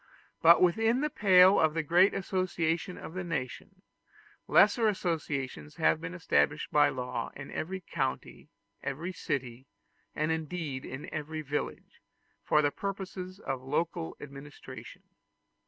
But within the pale of the great association of the nation, lesser associations have been established by law in every country, every city, and indeed in every village, for the purposes of local administration.